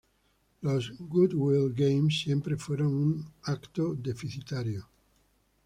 Los Goodwill Games siempre fueron un evento deficitario.